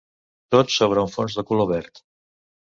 Tot sobre un fons de color verd.